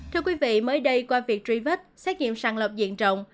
thưa quý vị mới đây qua việc truy vết xét nghiệm sàng lọc diện rộng